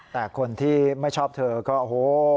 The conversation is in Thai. แต่คนที่ไม่ชอบเธอก็โอ้โห